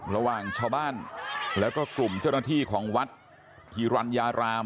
ระหว่างชาวบ้านแล้วก็กลุ่มเจ้าหน้าที่ของวัดฮิรัญญาราม